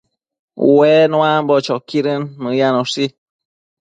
Ue nuambo choquidën mëyanoshi